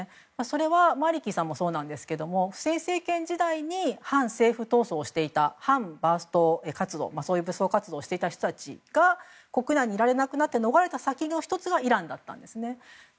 それはマリキさんもそうなんですがフセイン政権時代に反政府闘争をしていた反バースト活動武装活動をしていた人たちが国内にいられなくなったのがイランだったんですね。